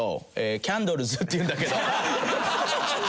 キャンドルズっていうんだけど。